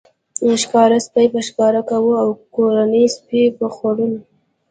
ښکاري سپي به ښکار کاوه او کورني سپي به خوړل.